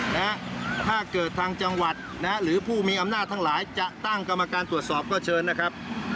นะฮะถ้าเกิดทางจังหวัดนะฮะหรือผู้มีอำนาจทั้งหลายจะตั้งกรรมการตรวจสอบก็เชิญนะครับ